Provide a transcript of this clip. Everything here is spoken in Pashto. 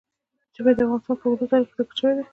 ژبې د افغانستان په اوږده تاریخ کې ذکر شوی دی.